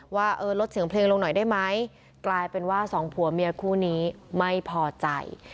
ว่าเออลดเสียงเพลงลงหน่อยได้ไหมกลายเป็นว่าสองผัวเมียคู่นี้ไม่พอใจ